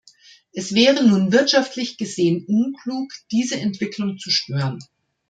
Es wäre nun wirtschaftlich gesehen unklug, diese Entwicklung zu stören.